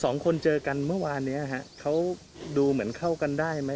สองคนเจอกันเมื่อวานเนี้ยฮะเขาดูเหมือนเข้ากันได้ไหม